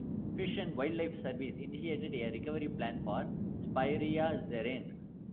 Fish and Wildlife Service initiated a recovery plan for "Speyeria zerene".